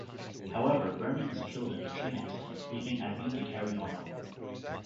However, Vernon is killed in a training accident, leaving Irene to carry on alone.